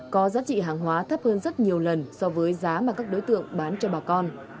có giá trị hàng hóa thấp hơn rất nhiều lần so với giá mà các đối tượng bán cho bà con